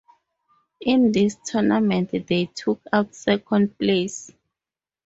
In this tournament they took out second place.